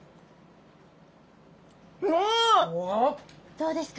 どうですか？